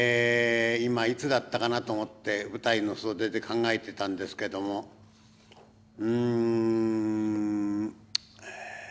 今いつだったかなと思って舞台の袖で考えてたんですけどもんえ